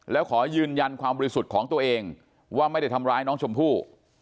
แล้วขอยืนยันความบริสุทธิ์ของตัวเองว่าไม่ได้ทำร้ายน้องชมพู่